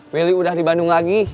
willy udah di bandung lagi